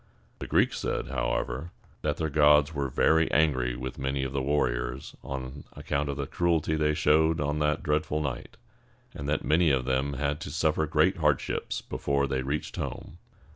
The Greeks said, however, that their gods were very angry with many of their warriors on account of the cruelty they showed on that dreadful night, and that many of them had to suffer great hardships before they reached home.